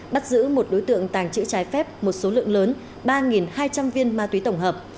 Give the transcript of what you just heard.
bắt giữ một đối tượng tàng trữ trái phép một số lượng lớn ba hai trăm linh viên ma túy tổng hợp